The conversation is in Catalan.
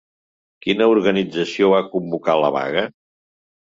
Quina organització ha convocat la vaga?